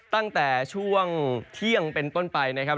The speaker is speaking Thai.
ตั้งแต่ช่วงเที่ยงเป็นต้นไปนะครับ